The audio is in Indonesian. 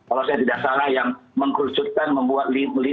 kalau saya tidak salah yang mengerucutkan membuat li sepuluh